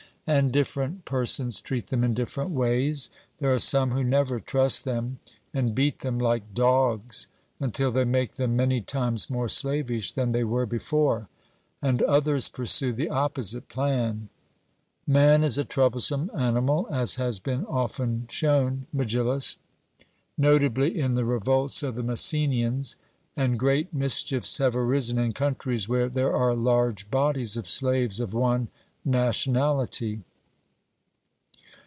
And different persons treat them in different ways: there are some who never trust them, and beat them like dogs, until they make them many times more slavish than they were before; and others pursue the opposite plan. Man is a troublesome animal, as has been often shown, Megillus, notably in the revolts of the Messenians; and great mischiefs have arisen in countries where there are large bodies of slaves of one nationality.